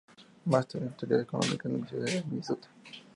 Máster en Teoría Económica, Universidad de Minnesota.